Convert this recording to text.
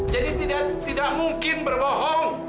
jadi tidak mungkin berbohong